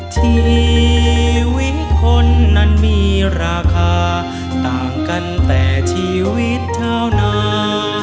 ชีวิตคนนั้นมีราคาต่างกันแต่ชีวิตชาวนา